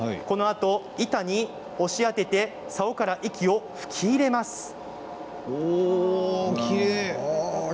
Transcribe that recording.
このあと、板に押し当ててさおから息を吹き入れます。